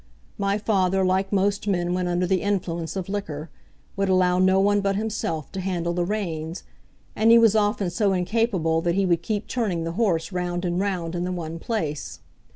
My father, like most men when under the influence of liquor, would allow no one but himself to handle the reins, and he was often so incapable that he would keep turning the horse round and round in the one place.